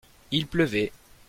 il pleuvait.